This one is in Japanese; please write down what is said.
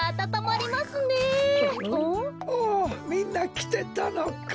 おおみんなきてたのか。